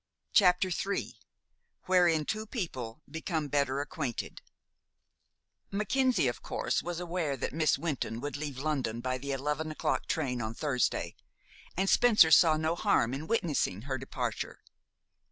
CHAPTER III WHEREIN TWO PEOPLE BECOME BETTER ACQUAINTED Mackenzie, of course, was aware that Miss Wynton would leave London by the eleven o'clock train on Thursday, and Spencer saw no harm in witnessing her departure.